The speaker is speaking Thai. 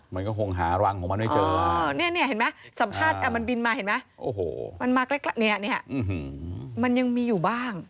มันก็คงหารังของมันไม่เจอเนี่ยเห็นไหมสัมภาษณ์มันบินมาเห็นไหมมันมาใกล้เนี่ยมันยังมีอยู่บ้าง